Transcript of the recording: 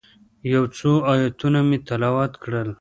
یو څو آیتونه مې تلاوت کړل.